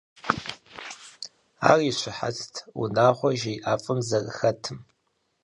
Ар и щыхьэтт унагъуэр жей ӀэфӀым зэрыхэтым.